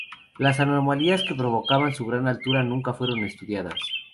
Las anomalías que provocaban su gran altura nunca fueron estudiadas.